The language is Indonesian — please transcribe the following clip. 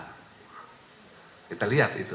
kita lihat itu